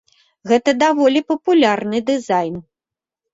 Гэта даволі папулярны дызайн.